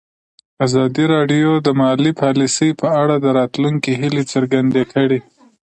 ازادي راډیو د مالي پالیسي په اړه د راتلونکي هیلې څرګندې کړې.